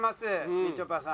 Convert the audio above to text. みちょぱさん。